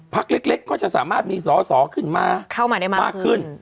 พักเล็กก็จะสามารถมีสอสอขึ้นมาขึ้น